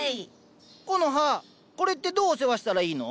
コノハこれってどうお世話したらいいの？